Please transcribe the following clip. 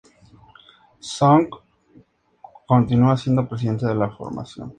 Soong continúa siendo presidente de la formación.